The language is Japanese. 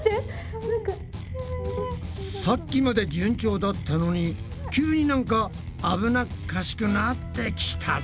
さっきまで順調だったのに急になんか危なっかしくなってきたぞ。